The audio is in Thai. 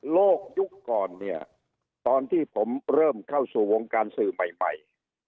ยุคก่อนเนี่ยตอนที่ผมเริ่มเข้าสู่วงการสื่อใหม่